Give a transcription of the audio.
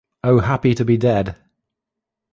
O happy to be dead!